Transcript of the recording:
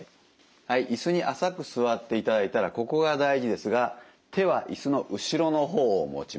はい椅子に浅く座っていただいたらここが大事ですが手は椅子の後ろの方を持ちます。